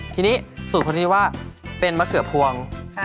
ทีนี้สูตรคนนี้ว่าเป็นมะเขือพวง